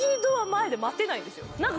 前で待てないんですよ。